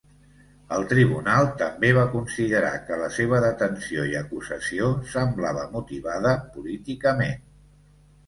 El Tribunal també va considerar que la seva detenció i acusació semblava motivada políticament.